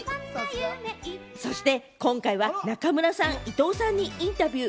そして今回は中村さん、伊藤さんにインタビュー。